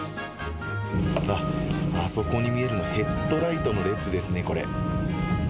あっ、あそこに見えるのがヘッドライトの列ですね、これ。